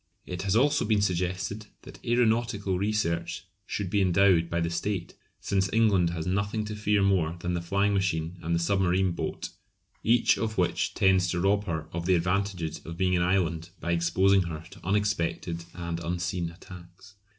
It has also been suggested that aeronautical research should be endowed by the state, since England has nothing to fear more than the flying machine and the submarine boat, each of which tends to rob her of the advantages of being an island by exposing her to unexpected and unseen attacks.